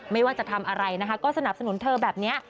ไม่ว่าจะทำอะไรนะคะก็สนับสนุนเธอแบบนี้